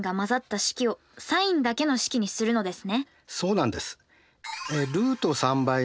そうなんです。